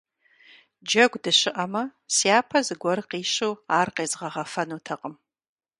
Джэгу дыщыӀэмэ, сяпэ зыгуэр къищу ар къезгъэгъэфэнутэкъым.